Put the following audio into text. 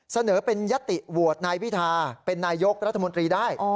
เสนอเป็นยติโหวตนายพิธาเป็นนายกรัฐมนตรีได้